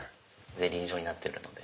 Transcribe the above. ゼリー状になってるので。